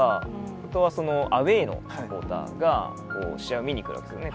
あとはアウェーのサポーターが試合を見に来るわけですね。